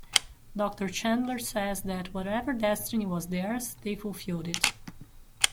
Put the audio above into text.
Dr. Chandler says that "whatever destiny was theirs, they fulfilled it.